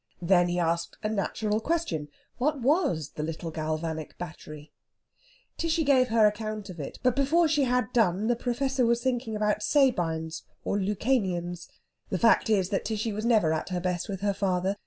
Then he asked a natural question what was the little galvanic battery? Tishy gave her account of it, but before she had done the Professor was thinking about Sabines or Lucanians. The fact is that Tishy was never at her best with her father.